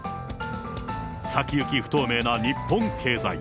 先行き不透明な日本経済。